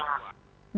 di hari hari terakhir